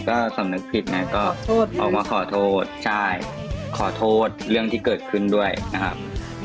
ก็สำนึกผิดไงก็ออกมาขอโทษใช่ขอโทษเรื่องที่เกิดขึ้นด้วยนะครับ